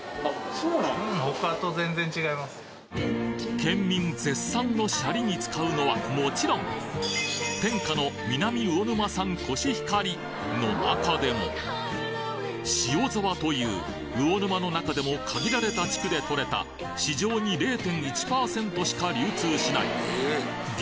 県民絶賛のシャリに使うのはもちろん天下の南魚沼産コシヒカリの中でも塩沢という魚沼の中でも限られた地区でとれた市場に０．１％しか流通しない激